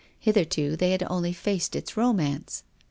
Hitherto they had only faced its romance.